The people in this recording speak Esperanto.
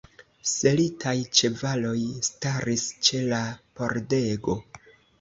Selitaj ĉevaloj staris ĉe la pordego.